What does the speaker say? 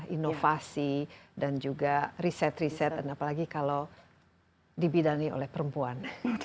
inovasi dan juga riset riset dan apalagi kalau dibidani oleh perempuan